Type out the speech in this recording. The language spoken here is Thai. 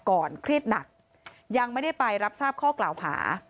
เครียดหนักยังไม่ได้ไปรับทราบข้อกล่าวหา